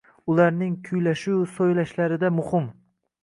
Ularning kuylashu so‘ylashlarida muhim.